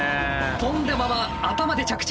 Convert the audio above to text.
跳んだまま頭で着地。